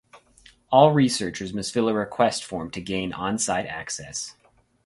All researchers must fill a request form to gain on-site access.